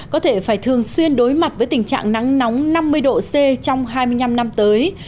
có thể phải thường xuyên đối mặt với tình trạng nắng nóng năm mươi độ c trong hai mươi năm năm tới